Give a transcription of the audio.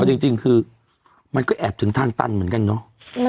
จริงคือมันก็แอบถึงทางตันเหมือนกันเนาะ